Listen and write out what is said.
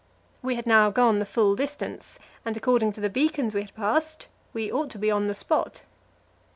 We had now gone the full distance, and according to the beacons we had passed, we ought to be on the spot.